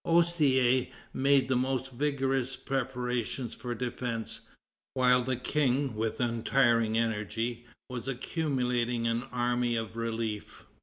Ostei made the most vigorous preparations for defense, while the king, with untiring energy, was accumulating an army of relief.